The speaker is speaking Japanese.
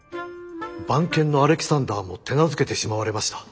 番犬のアレキサンダーも手なずけてしまわれました。